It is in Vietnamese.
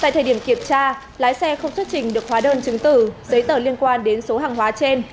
tại thời điểm kiểm tra lái xe không xuất trình được hóa đơn chứng tử giấy tờ liên quan đến số hàng hóa trên